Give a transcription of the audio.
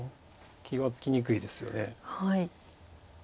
気が付きにくいですよね。